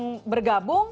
dan harus wajib bergabung